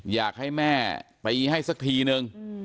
อยากให้แม่ตีให้สักทีนึง